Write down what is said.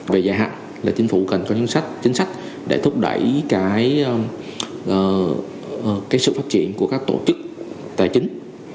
về giải hạn chính phủ cần có chính sách để thúc đẩy sự phát triển của các tổ chức tài chính